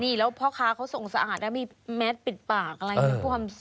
นี่แล้วพ่อค้าเขาส่งสะอาดแล้วมีแมสปิดปากอะไรอย่างนี้